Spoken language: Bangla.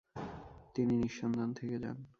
তিনি নিঃসন্তান থেকে যান।